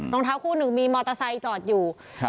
รองเท้าคู่หนึ่งมีมอเตอร์ไซค์จอดอยู่ครับ